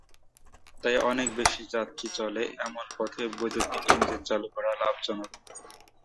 তাই অনেক বেশি যাত্রী চলে, এমন পথে বৈদ্যুতিক ইঞ্জিন চালু করা লাভজনক।